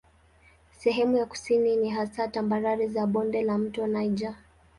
Sehemu za kusini ni hasa tambarare za bonde la mto Niger.